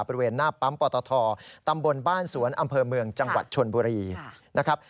บริเวณหน้าปั๊มปตทตำบลบ้านสวนอำเภอเมืองจังหวัดชนบุรีนะครับ